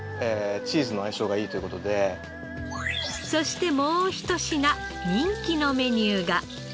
そしてもうひと品人気のメニューが。